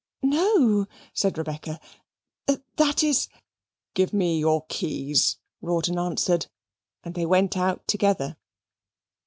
"No," said Rebecca, "that is " "Give me your keys," Rawdon answered, and they went out together.